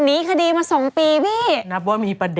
หนีคดีมาสองปีพี่